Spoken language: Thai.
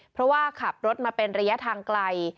เพราะว่าขับรถมาเป็นระยะทางไกล